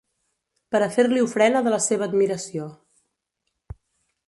Per a fer-li ofrena de la seva admiració.